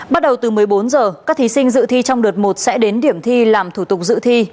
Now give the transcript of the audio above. bắt đầu từ một mươi bốn h các thí sinh dự thi trong đợt một sẽ đến điểm thi làm thủ tục dự thi